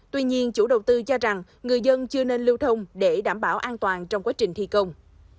tuy nhiên chủ đầu tư cho rằng người dân chưa nên lưu thông để đảm bảo an toàn trong quá trình thi công